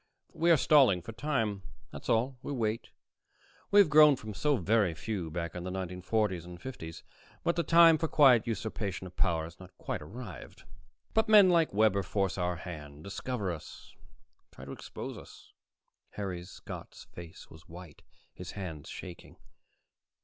We are stalling for time, that's all. We wait. We have grown from so very few, back in the 1940s and 50s, but the time for quiet usurpation of power has not quite arrived. But men like Webber force our hand, discover us, try to expose us." Harry Scott's face was white, his hands shaking.